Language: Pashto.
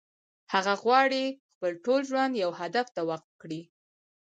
هغه غواړي خپل ټول ژوند يو هدف ته وقف کړي.